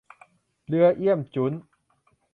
เรือเอี้ยมจุ๊น